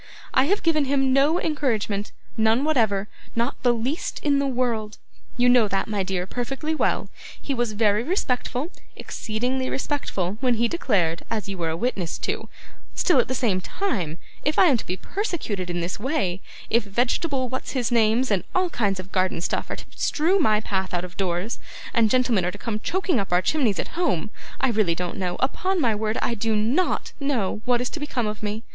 I have given him no encouragement none whatever not the least in the world. You know that, my dear, perfectly well. He was very respectful, exceedingly respectful, when he declared, as you were a witness to; still at the same time, if I am to be persecuted in this way, if vegetable what's his names and all kinds of garden stuff are to strew my path out of doors, and gentlemen are to come choking up our chimneys at home, I really don't know upon my word I do NOT know what is to become of me.